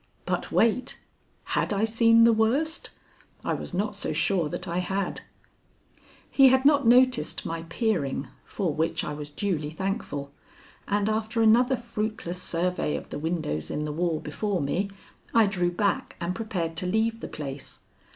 But wait! Had I seen the worst? I was not so sure that I had. He had not noticed my peering, for which I was duly thankful, and after another fruitless survey of the windows in the wall before me, I drew back and prepared to leave the place.